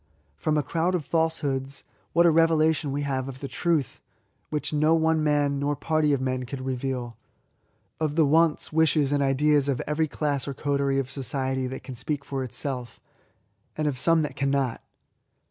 From a crowd of falsehoods, what a revelation we have of the truth, which no one man, nor party of men, could reveal !^K)f the wants, wishes, and ideas of every class or coterie of society that can speak for itself, and of some that 'cannot!